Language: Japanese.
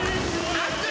熱い！